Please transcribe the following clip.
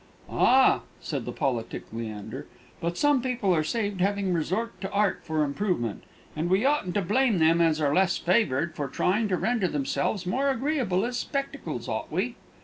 "Ah," said the politic Leander, "but some people are saved having resort to Art for improvement, and we oughtn't to blame them as are less favoured for trying to render themselves more agreeable as spectacles, ought we?"